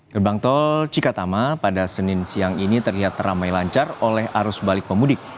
gerbang tol cikatama pada senin siang ini terlihat ramai lancar oleh arus balik pemudik